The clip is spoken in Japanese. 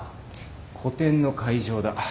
個展の会場だ。